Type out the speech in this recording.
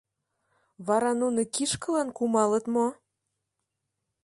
Вара нуно кишкылан кумалыт мо?